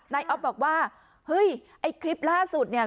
อ๊อฟบอกว่าเฮ้ยไอ้คลิปล่าสุดเนี่ย